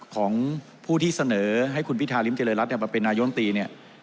ของผู้ที่เสนอให้คุณพิธาริมเจริรัตน์เป็นนายนตรี